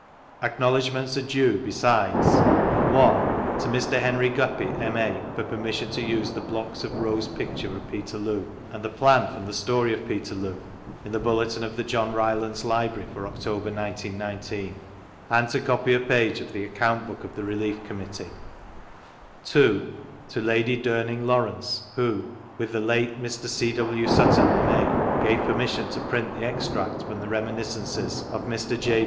Acknowledgments are due, besides: (i) to Mr. Henry Guppy, M.A., for permission to use the blocks of Wroe's picture of Peterloo, and the Plan from the " Story of Peterloo " in the Bulletin of the John Rylands Library for October, 1919; and to copy a page of the Account book of the Relief Committee; (2) to Lady Duming Lawrence, who (with the late Mr. C. W. Sutton, M.A.) gave permission to print the Extract from the Re miniscences of Mr. J.